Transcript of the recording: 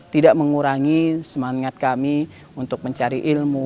tidak mengurangi semangat kami untuk mencari ilmu